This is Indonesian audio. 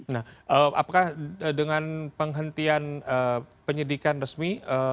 nah apakah dengan penghentian penyidikan resmi